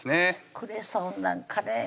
クレソンなんかね